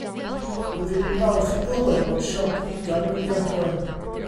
Byddi di'n falch i glywed bod siop figan wedi agor.